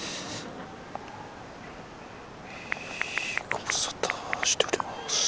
「ご無沙汰しています。